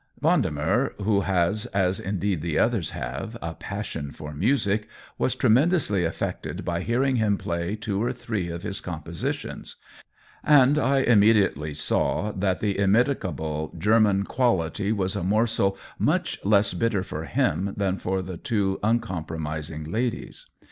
Vendemer, who has, as indeed the others have, a passion for music, was tremendously affected by hearing him play two or three of his compositions, and I immediately saw that the immitigable German quality was a morsel much less bitter for him than for the two uncompromising ladies.